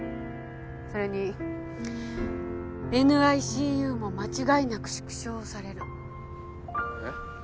それにＮＩＣＵも間違いなく縮小されるえッ？